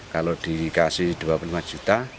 kalau dikasih dua puluh lima juta